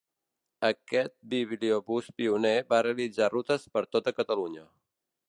Aquest bibliobús pioner va realitzar rutes per tota Catalunya.